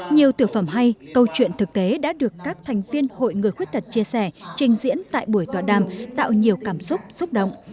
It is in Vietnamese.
nhiều tiểu phẩm hay câu chuyện thực tế đã được các thành viên hội người khuyết tật chia sẻ trình diễn tại buổi tọa đàm tạo nhiều cảm xúc xúc động